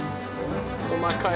細かい。